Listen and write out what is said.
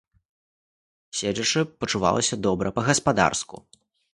Седзячы, пачувалася добра, па-гаспадарску.